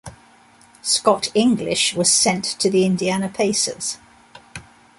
Scott English was sent to the Indiana Pacers.